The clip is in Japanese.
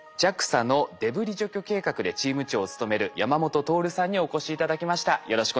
ＪＡＸＡのデブリ除去計画でチーム長を務める山元透さんにお越し頂きました。